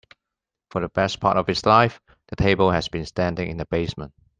For the best part of its life, the table has been standing in the basement.